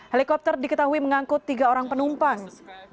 helikopter diketahui mengangkut tiga orang penumpang